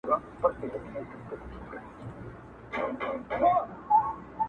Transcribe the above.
o چي پرې تايٌید د میني ولګوم داغ یې کړمه,